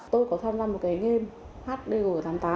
tôi có tham gia một cái game hdg tám mươi tám